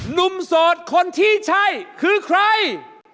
โสดคนที่ใช่คือใคร